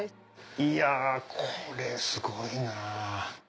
いやこれすごいな。